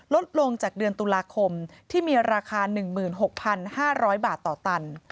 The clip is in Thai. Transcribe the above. ลดลงจากเดือนตุลาคมที่มีราคา๑๖๕๐๐บาทต่อตัน